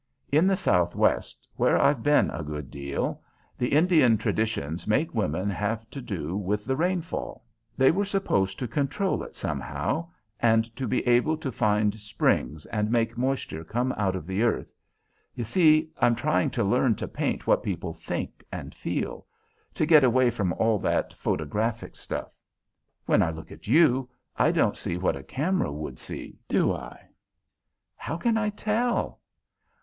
In the Southwest, where I've been a good deal, the Indian traditions make women have to do with the rain fall. They were supposed to control it, somehow, and to be able to find springs, and make moisture come out of the earth. You see I'm trying to learn to paint what people think and feel; to get away from all that photographic stuff. When I look at you, I don't see what a camera would see, do I?" "How can I tell?"